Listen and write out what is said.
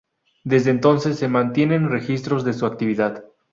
Desde entonces se mantienen registros de su actividad.